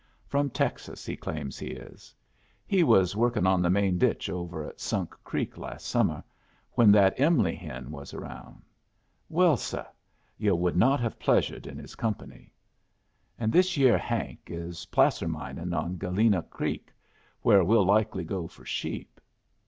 From Texas he claims he is. He was working on the main ditch over at Sunk Creek last summer when that Em'ly hen was around. Well, seh, yu' would not have pleasured in his company. And this year Hank is placer mining on Galena Creek, where we'll likely go for sheep.